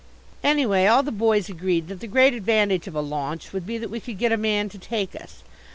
Anyway all the "boys" agreed that the great advantage of a launch would be that we could get a man to take us.